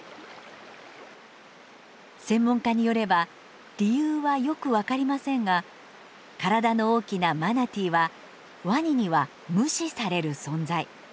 専門家によれば理由はよく分かりませんが体の大きなマナティーはワニには無視される存在。